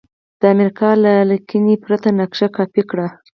د امریکا له لیکنې پرته نقشه کاپي کړئ.